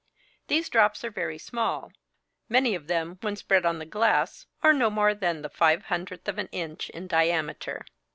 These drops are very small; many of them when spread on the glass are no more than the five hundredth of an inch in diameter.